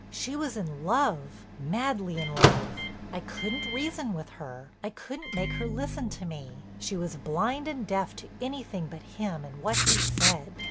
She was in love, madly in love. I couldn't reason with her, I couldn't make her listen to me; she was blind and deaf to anything but him and what he said.